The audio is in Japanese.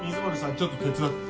ちょっと手伝って。